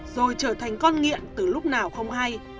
rồi trở thành con nghiện từ lúc nào không hay